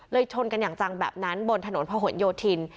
ชนกันอย่างจังแบบนั้นบนถนนพะหนโยธิน